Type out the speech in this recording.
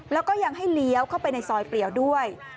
แล้วก็ยังให้เลี้ยวเข้าไปในซอยเปลี่ยวด้วย